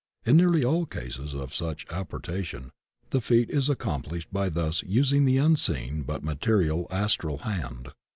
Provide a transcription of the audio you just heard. In nearly all cases of such apporta tion the feat is accomplished by thus using the xmseeil but material Astral hand.